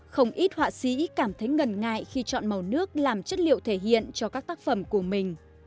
không ít họa sĩ cảm thấy ngần ngại khi chọn màu nước làm chất liệu thể hiện cho các tác phẩm của mình